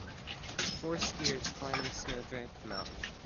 four skiers climbing snow drapped mountain.